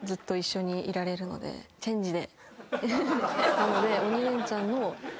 なので。